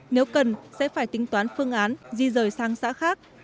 nếu cần sẽ phải tính toán phương án di rời sang xã khác